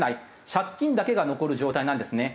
借金だけが残る状態なんですね。